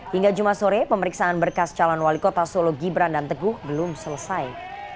hingga jumat sore pemeriksaan berkas calon wali kota solo gibran dan teguh belum selesai